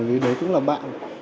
với đối tượng là bạn